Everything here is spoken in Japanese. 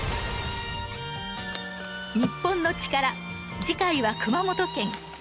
『日本のチカラ』次回は熊本県。